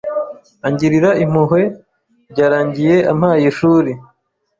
angirira impuhwe, byarangiye ampaye ishuri